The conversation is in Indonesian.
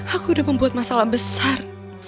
aku udah membuat masalah besar